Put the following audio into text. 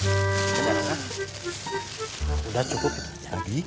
ya udah cukup lagi